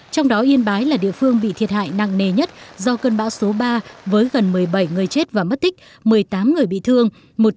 trong đó yên bái là địa phương bị thiệt hại nặng nề nhất do cơn bão số ba với gần một mươi bảy người chết và mất tích một mươi tám người bị thương